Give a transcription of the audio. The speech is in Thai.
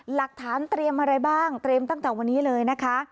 หลักฐานเตรียมอะไรบ้างเตรียมตั้งแต่วันนี้เลยนะคะ